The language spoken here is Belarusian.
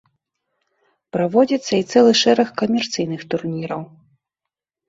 Праводзіцца і цэлы шэраг камерцыйных турніраў.